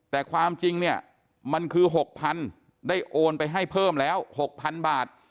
แต่ความจริงเนี่ยมันคือ๖๐๐๐ได้โอนไปให้เพิ่มแล้ว๖๐๐๐บาท